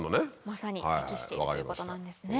まさに適しているということなんですね。